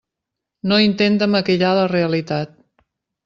No intente maquillar la realitat.